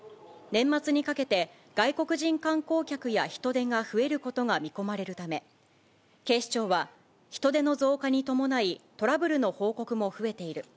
年末にかけて、外国人観光客や人出が増えることが見込まれるため、警視庁は人出の増加に伴い、トラブルの報告も増えている。